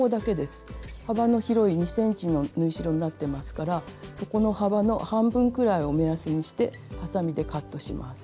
幅の広い２ｃｍの縫い代になってますからそこの幅の半分くらいを目安にしてはさみでカットします。